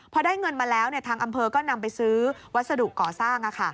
พอได้เงินมาแล้วทางอำเภอก็นำไปซื้อวัสดุก่อสร้าง